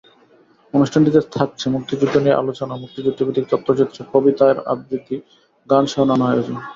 অনুষ্ঠানটিতে থাকছে মুক্তিযুদ্ধ নিয়ে আলোচনা, মুক্তিযুদ্ধভিত্তিক তথ্যচিত্র, কবিতার আবৃত্তি, গানসহ নানা আয়োজন।